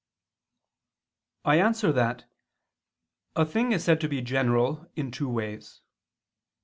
I answer that, A thing is said to be general in two ways.